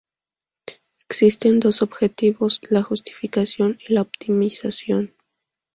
Existen dos objetivos; la justificación y la optimización.